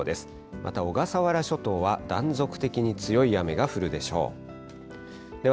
また小笠原諸島は、断続的に強い雨が降るでしょう。